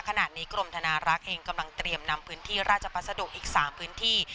ขณะนี้กรมธนารักษ์เองกำลังเตรียมนำพื้นที่ราชพัสดุอีก๓พื้นที่